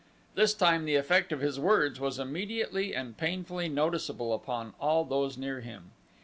This time the effect of his words was immediately and painfully noticeable upon all those near him.